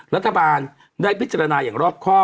รัฐบาลได้พิจารณาอย่างรอบข้อ